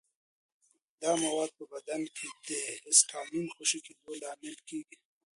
دا مواد په بدن کې د هسټامین خوشې کېدو لامل کېږي.